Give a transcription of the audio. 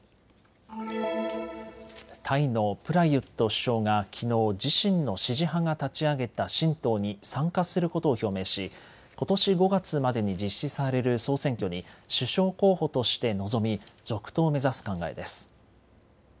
タイのプラユット首相がきのう、自身の支持派が立ち上げた新党に参加することを表明しことし５月までに実施される総選挙に首相候補として臨み続投を目指す考えです。